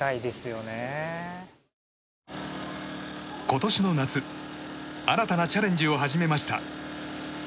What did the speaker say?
今年の夏新たなチャレンジを始めました。